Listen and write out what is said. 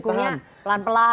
jadi dukungnya pelan pelan gitu